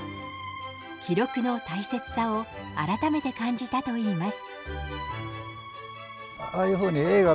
記録の大切さを改めて感じたと言います。